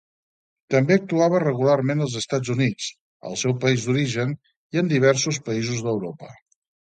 També actuava regularment als Estats Units, el seu país d'origen, i en diversos països d'Europa.